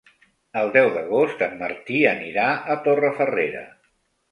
El deu d'agost en Martí anirà a Torrefarrera.